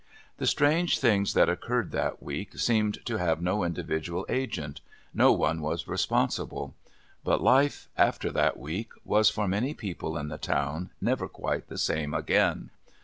The strange things that occurred that week seemed to have no individual agent. No one was responsible. But life, after that week, was for many people in the town never quite the same again.